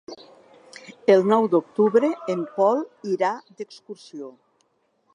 El nou d'octubre en Pol irà d'excursió.